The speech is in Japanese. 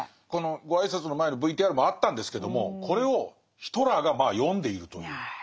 ご挨拶の前のＶＴＲもあったんですけどもこれをヒトラーが読んでいるという。